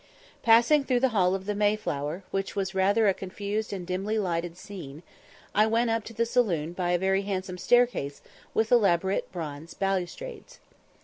Passing through the hall of the Mayflower, which was rather a confused and dimly lighted scene, I went up to the saloon by a very handsome staircase with elaborate bronze balustrades.